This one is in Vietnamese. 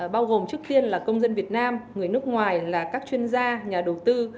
bao gồm trước tiên là công dân việt nam người nước ngoài là các chuyên gia nhà đầu tư